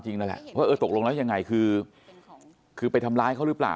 นั่นแหละว่าเออตกลงแล้วยังไงคือคือไปทำร้ายเขาหรือเปล่า